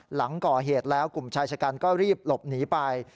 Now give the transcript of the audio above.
หลังก่อเหตุแล้วกลุ่มชายชะกันก็รีบหลบหนีไป